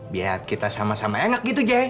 biar kita sama sama enak gitu jay